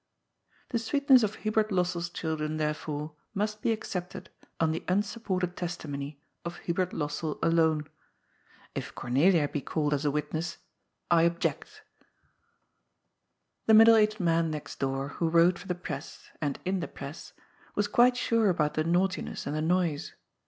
The sweetness of Hubert Lossell's children, therefore, must be accepted on the unsupported testimony of Hubert Lossell alone. If Cornelia be called as a witness, I ob ject. BLIND JUSTICE. 349 The middle aged man next door, who wrote for the Press — and in the press — was quite sure about the naughti ness and the noise.